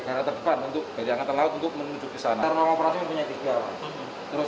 negara terdepan untuk beri angkatan laut untuk menuju ke sana terlalu berarti punya tiga terus